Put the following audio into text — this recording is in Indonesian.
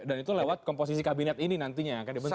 dan itu lewat komposisi kabinet ini nantinya yang akan dibentuk